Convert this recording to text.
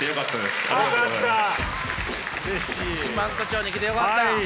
四万十町に来てよかった？